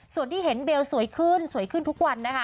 ส่วนที่เห็นเบลสวยขึ้นสวยขึ้นทุกวันนะคะ